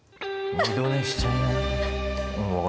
二度寝しちゃいな。